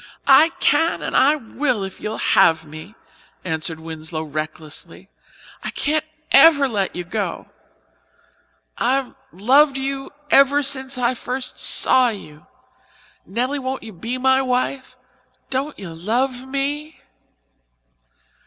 "I can and I will, if you'll have me," answered Winslow recklessly. "I can't ever let you go. I've loved you ever since I first saw you. Nelly, won't you be my wife? Don't you love me?"